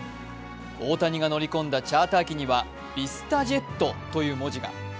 大谷が乗り込んだチャーター機には「ＶＩＳＴＡＪＥＴ」という文字が。